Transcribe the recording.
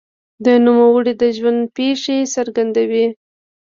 د نوموړي د ژوند پېښې څرګندوي.